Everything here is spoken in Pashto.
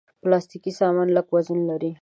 پلاستيکي سامانونه لږ وزن لري.